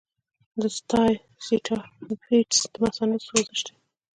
د سیسټایټس د مثانې سوزش دی.